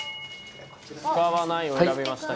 使わないを選びましたけど。